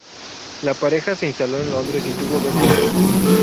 La pareja se instaló en Londres y tuvo dos hijos.